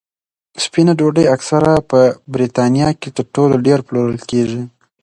سپینه ډوډۍ اکثره په بریتانیا کې تر ټولو ډېره پلورل کېږي.